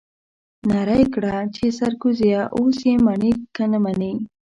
نعره يې کړه چې سرکوزيه اوس يې منې که نه منې.